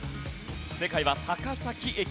正解は高崎駅。